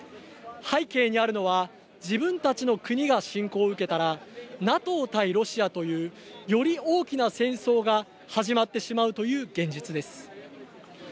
背景にあるのは自分たちの国が侵攻を受けたらＮＡＴＯ対ロシアというより大きな戦争が始まってしまうという現実です。